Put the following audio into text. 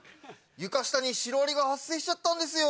床下にシロアリが発生しちゃったんですよ。